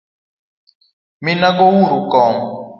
Minago uru kom.